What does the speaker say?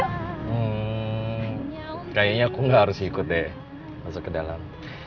hmm kayaknya aku nggak harus ikut deh masuk ke dalam